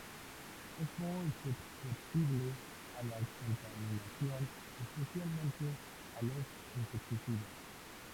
Es muy susceptible a la contaminación, especialmente a los insecticidas.